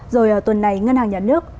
rồi tuần này ngân hàng nhà nước